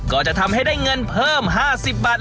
ก็จะทำให้ได้เงินเพิ่ม๕๐บาท